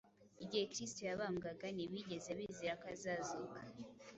Igihe Kristo yabambwaga ntibigeze bizera ko azazuka.